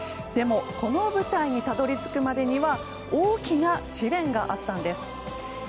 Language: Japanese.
でも、この舞台にたどり着くまでには大きな試練があったんです。